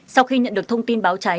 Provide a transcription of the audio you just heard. sau khi nhận được thông tin báo cháy